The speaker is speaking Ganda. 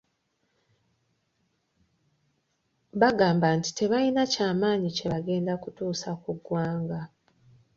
Bagamba nti tebalina ky’amaanyi kye bagenda kutuusa ku ggwanga.